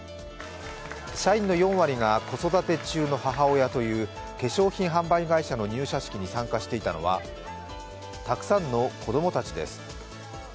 社員の４割が子育て中の母親という化粧品販売会社の入社式に参加していたのはたくさんの子供たちです。